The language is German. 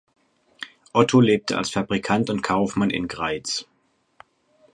Otto lebte als Fabrikant und Kaufmann in Greiz.